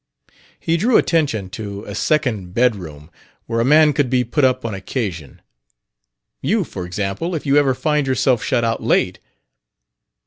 He drew attention to a second bedroom where a man could be put up on occasion: "you, for example, if you ever find yourself shut out late."